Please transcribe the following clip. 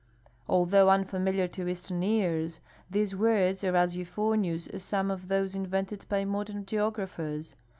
Although unfamiliar to eastern ears, these words are as euphonious as some of those invented by modern geographers.